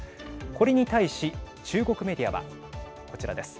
これに対し、中国メディアはこちらです。